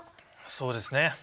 そうですね。